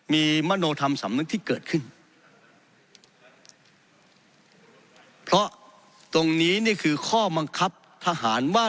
มีมโนธรรมสำนึกที่เกิดขึ้นเพราะตรงนี้นี่คือข้อบังคับทหารว่า